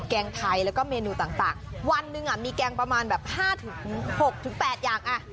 แกงไทยแล้วก็เมนูต่างวันหนึ่งมีแกงประมาณแบบ๕๖๘อย่าง